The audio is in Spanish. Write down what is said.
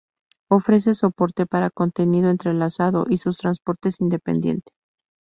Ofrece soporte para contenido entrelazado, y su transporte independientemente.